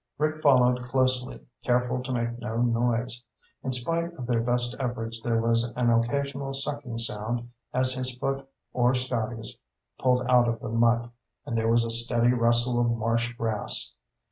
Rick followed closely, careful to make no noise. In spite of their best efforts there was an occasional sucking sound as his foot or Scotty's pulled out of the muck, and there was a steady rustle of marsh grass.